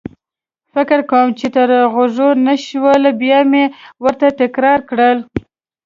فکر کوم چې تر غوږ يې نه شول، بیا مې ورته تکرار کړل.